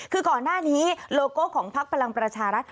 คือก่อนหน้านี้โลโก้ของพักพลังประชารัฐ